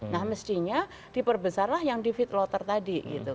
nah mestinya diperbesarlah yang david loter tadi